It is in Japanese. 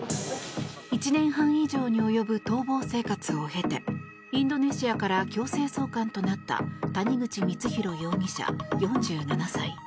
１年半以上に及ぶ逃亡生活を経てインドネシアから強制送還となった谷口光弘容疑者、４７歳。